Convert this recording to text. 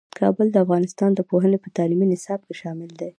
کابل د افغانستان د پوهنې په تعلیمي نصاب کې شامل دی.